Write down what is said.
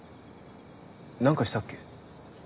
何かしたっけ？